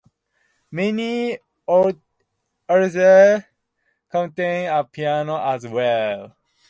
Many orchestrions contain a piano as well.